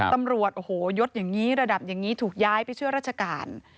ตำรวจโอ้โหยดอย่างนี้ระดับอย่างนี้ถูกย้ายไปช่วยราชการ